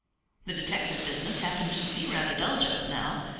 The detective business happened to be rather dull just now.